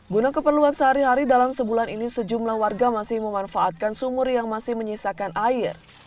guna keperluan sehari hari dalam sebulan ini sejumlah warga masih memanfaatkan sumur yang masih menyisakan air